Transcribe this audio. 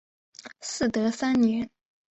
嗣德三年。